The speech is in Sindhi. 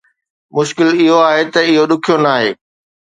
مشڪل اهو آهي ته اهو ڏکيو ناهي